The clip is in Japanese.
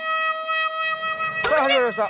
さあ始まりました